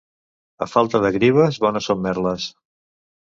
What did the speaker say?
A falta de grives, bones són merles.